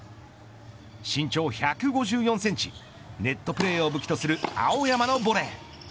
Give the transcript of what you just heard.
身長１５４センチネットプレーを武器とする青山のボレー。